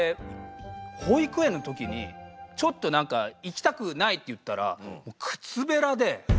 保育園の時にちょっとなんか「行きたくない」って言ったら靴べらで「行けこの野郎！」